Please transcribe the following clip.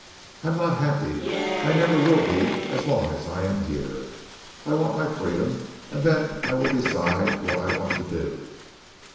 I'm not happy. I never will be as long as I am here. I want my freedom and then I will decide what I want to do."